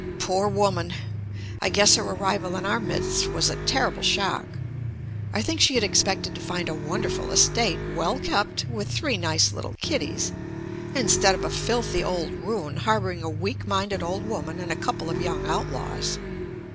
Poor woman! I guess her ar rival in our midst was a terrible shock. I think she had expected to find a wonderful estate, well kept, with three nice little kiddies, instead JUST ME of a filthy old ruin harboring a weak minded old woman and a couple of young outlaws.